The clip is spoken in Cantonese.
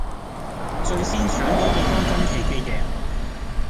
最先搶到對方軍旗嘅贏